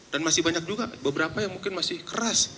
dan masih banyak juga beberapa yang mungkin masih keras